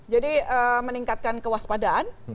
jadi meningkatkan kewaspadaan